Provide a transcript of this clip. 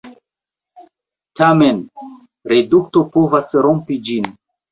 Tamen, redukto povas rompi ĝin.